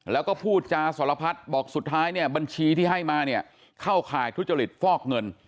แล้วก็พูดจาสารพัดบอกสุดท้ายเนี่ยบัญชีที่ให้มาเนี่ยเข้าข่ายทุจริตฟอกเงิน